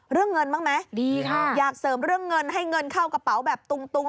เรื่องเงินบ้างไหมดีค่ะอยากเสริมเรื่องเงินให้เงินเข้ากระเป๋าแบบตุง